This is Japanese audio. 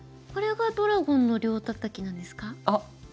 これがドラゴンの両タタキなんですか？